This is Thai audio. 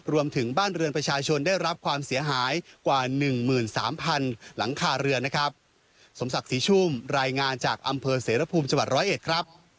รวมถึงบ้านเรือนประชาชนได้รับความเสียหายกว่าหนึ่งหมื่นสามพันหลังคาเรือนนะครับสมศักดิ์ศรีชุ่มรายงานจากอำเภอเสรภูมิจังหวัดร้อยเอ็ดครับ